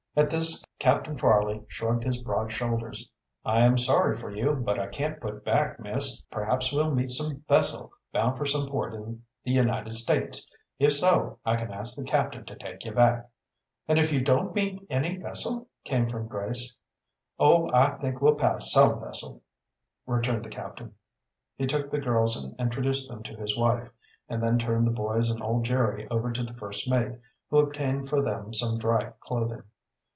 At this Captain Fairleigh shrugged his broad shoulders. "I am sorry for you, but I can't put back, miss. Perhaps we'll meet some vessel bound for some port in the United States. If so, I can ask the captain to take you back." "And if you don't meet any vessel?" came from Grace. "Oh, I think we'll pass some vessel," returned the captain. He took the girls and introduced them to, his wife, and then turned the boys and old Jerry over to the first mate, who obtained for them some dry clothing.